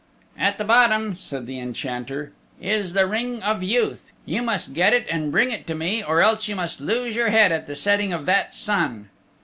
"At the bottom," said the Enchanter "is the Ring of Youth. You must get it and bring it to me, or else you must lose your head at the setting of that sun."